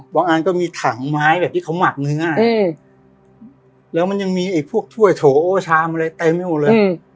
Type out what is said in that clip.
บางอันก็มีถังไม้แบบที่เขาหมัดเนื้ออืมแล้วมันยังมีไอพวกช่วยโถโชมอะไรเต็มให้หมดเลยอืม